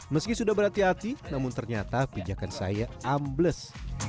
meski sudah berhati hati namun ternyata pijakan saya ambles